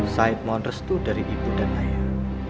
saya mohon restu dari ibu dan ayah